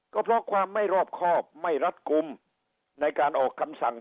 ก็เพราะความไม่รอบครอบไม่รัดกลุ่มในการออกคำสั่ง